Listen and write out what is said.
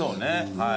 はい。